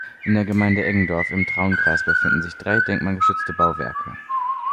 In der Gemeinde Eggendorf im Traunkreis befinden sich drei denkmalgeschützte Bauwerke.